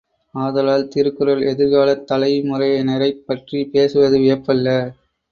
ஆதலால் திருக்குறள் எதிர்காலத் தலைமுறையினரைப் பற்றிப் பேசுவது வியப்பல்ல.